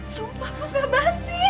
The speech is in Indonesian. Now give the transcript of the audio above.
sumpah kok gak basi